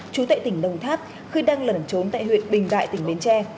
trú tại tỉnh đồng tháp khi đang lẩn trốn tại huyện bình đại tỉnh bến tre